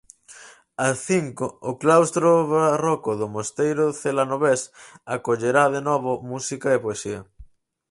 Ás cinco, o claustro barroco do mosteiro celanovés acollerá de novo música e poesía.